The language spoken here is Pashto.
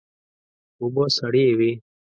اوبه سړې وې.